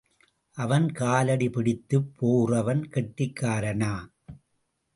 அவன் காலடி பிடித்துப் போகிறவன் கெட்டிக்காரனா?